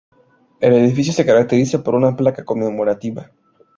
El edificio se caracteriza por una placa conmemorativa.